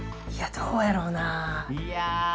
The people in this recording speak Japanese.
どうやろう？